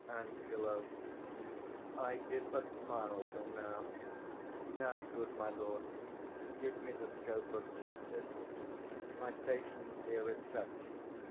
Ang. I did but smile till now: Now, good my lord, give me the scope of justice; My patience here is touch'd.